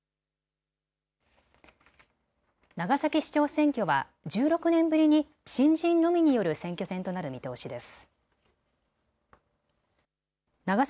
長崎市長選挙は１６年ぶりに新人のみによる選挙戦となる見通しです。